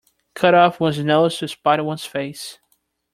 Cut off one's nose to spite one's face.